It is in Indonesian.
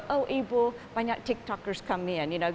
oh ibu banyak tiktokers datang